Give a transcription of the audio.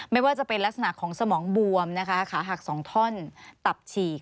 ไม่ว่าจะเป็นลักษณะของสมองบวมนะคะขาหัก๒ท่อนตับฉีก